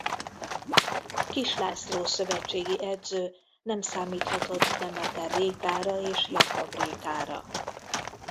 Kiss László szövetségi edző nem számíthatott Demeter Rékára és Jakab Rékára.